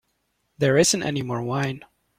There isn't any more wine.